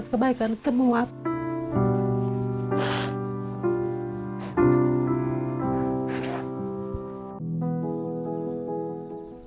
kebaikan atas kebaikan semua